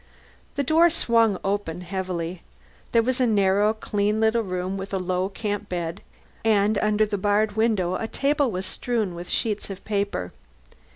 The door swung open heavily. There was a narrow, clean little room with a low camp bed, and under the barred window a table strewn with sheets of paper.